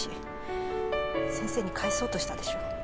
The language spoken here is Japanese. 先生に返そうとしたでしょ。